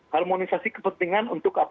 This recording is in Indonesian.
harmonisasi kepentingan untuk apa